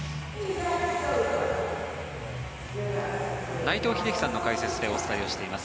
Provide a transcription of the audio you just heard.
内藤英樹さんの解説でお伝えしています。